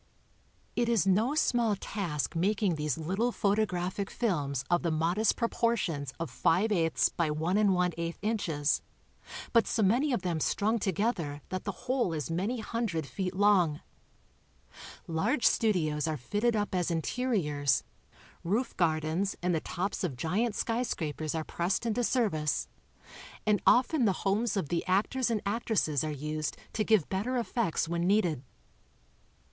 It is no small task making these little photographic films of the modest proportions of five eighths by one and one eighth incfies, but so many of them strung together that the whole is many hundred feet long. Large studios are fitted up as interiors, roof gardens and the tops of giant skj scrapers are pressed into service and often the homees of the actors and actresses are used to give better effects when needed.